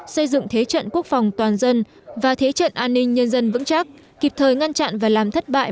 xây dựng thế trận quốc phòng toàn dân và thế trận an ninh nhân dân vững chắc kịp thời ngăn chặn và làm thất bại